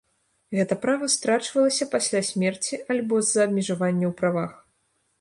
Гэта права страчвалася пасля смерці або з-за абмежавання ў правах.